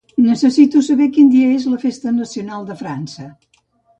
Necessito saber quin dia és la festa nacional de França.